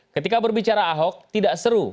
ketika berbicara ahok tidak seru